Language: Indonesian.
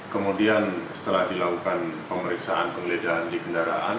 kemudian setelah dilakukan pemeriksaan penggeledahan di kendaraan